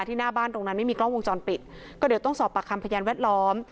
หน้าบ้านตรงนั้นไม่มีกล้องวงจรปิดก็เดี๋ยวต้องสอบปากคำพยานแวดล้อม